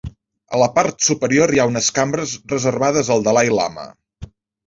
A la part superior hi ha unes cambres reservades al dalai-lama.